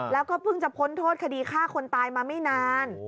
แล้วก็เพิ่งจะพ้นโทษคดีฆ่าคนตายมาไม่นาน